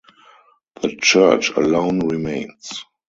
The church alone remains.